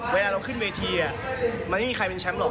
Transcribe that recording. เวลาเราขึ้นเวทีมันไม่มีใครเป็นแชมป์หรอก